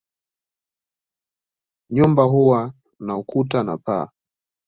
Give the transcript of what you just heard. Nyumba huwa na ukuta na paa.